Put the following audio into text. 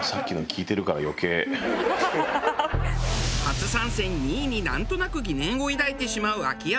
初参戦２位になんとなく疑念を抱いてしまう秋山。